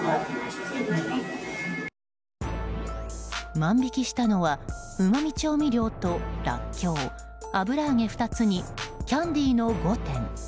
万引きしたのはうま味調味料とラッキョウ油揚げ２つにキャンディーの５点。